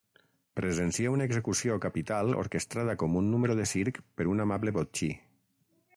Presencia una execució capital orquestrada com un número de circ per un amable botxí.